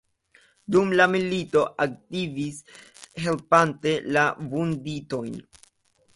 Dum la milito aktivis helpante la vunditojn.